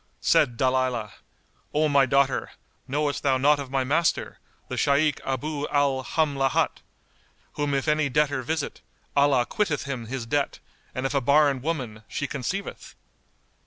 Said Dalilah, "O my daughter, knowest thou not of my master, the Shaykh Abú al Hamlát,[FN#189] whom if any debtor visit, Allah quitteth him his debt, and if a barren woman, she conceiveth?"